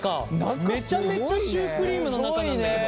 めちゃめちゃシュークリームの中なんだけど。